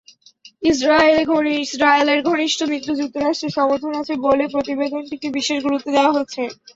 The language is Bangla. ইসরায়েলের ঘনিষ্ঠ মিত্র যুক্তরাষ্ট্রের সমর্থন আছে বলে প্রতিবেদনটিকে বিশেষ গুরুত্ব দেওয়া হচ্ছে।